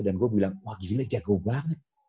dan gue bilang wah gila jago banget